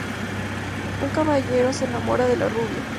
Un caballero se enamora de la rubia.